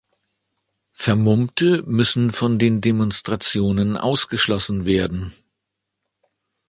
Vermummte müssen von den Demonstrationen ausgeschlossen werden.